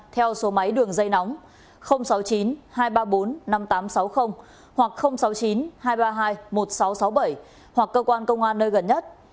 theo số máy đường dây nóng sáu mươi chín hai trăm ba mươi bốn năm nghìn tám trăm sáu mươi hoặc sáu mươi chín hai trăm ba mươi hai một nghìn sáu trăm sáu mươi bảy hoặc cơ quan công an nơi gần nhất